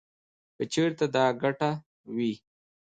کـه چـېرتـه دا ګـټـه وې.